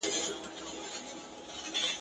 د کوترو لویه خونه کي کوتري !.